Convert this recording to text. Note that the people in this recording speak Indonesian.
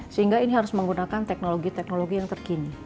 sehingga ini harus menggunakan teknologi teknologi yang terkini